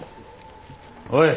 おい！